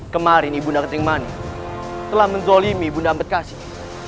kemarin ibu narketing mani telah menzolimi bunda ampetkasih